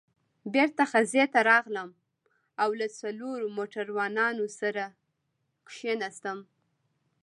بېرته خزې ته راغلم او له څلورو موټروانانو سره کېناستم.